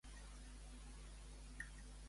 Quin és el medicament que prenc cada quatre hores?